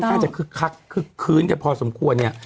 ถ้าจะคึกคักคึกคื้นกันพอสมควรเนี่ย